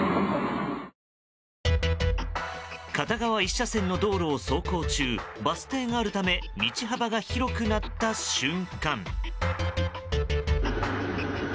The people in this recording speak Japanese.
片側１車線の道路を走行中バス停があるため道幅広くなった瞬間。